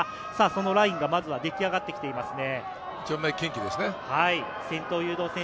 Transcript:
そのラインが出来上がってきていますね。